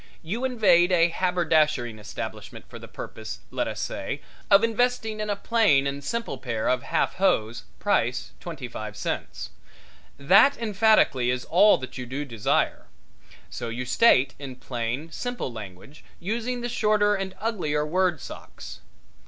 You invade a haberdashering establishment for the purpose, let us say, of investing in a plain and simple pair of half hose, price twenty five cents. That emphatically is all that you do desire. You so state in plain, simple language, using the shorter and uglier word socks.